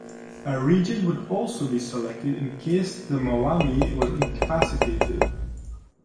A regent would also be selected in case the Mwami was incapacitated.